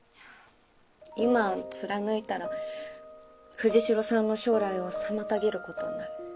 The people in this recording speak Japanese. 今貫いたら藤代さんの将来を妨げることになる。